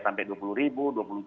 sampai dua puluh ribu dua puluh tiga